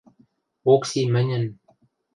Окси мӹньӹн...